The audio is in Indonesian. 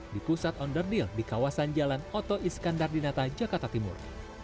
di pusat onderdil di kawasan jalan oto iskandar dinata jakarta timur